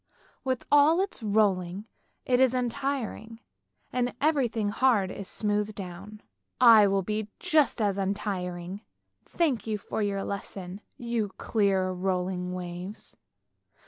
" With all its rolling, it is untiring, and everything hard is smoothed down. I will be just as untiring! Thank you for your lesson, you clear rolling waves!